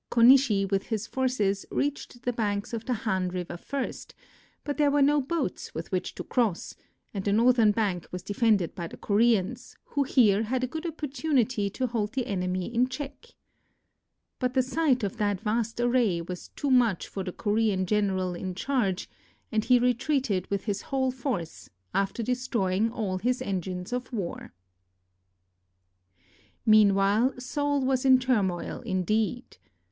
Konishi with his forces reached the banks of the Han River first, but there were no boats with which to cross, and the northern bank was defended by the Koreans, who here had a good opportunity to hold the enemy in check. But the sight of that vast array was too much for 268 WHEN HIDEYOSHI INVADED KOREA the Korean general in charge, and he retreated with his whole force, after destroying all his engines of war. Meanwhile Seoul was in turmoil, indeed.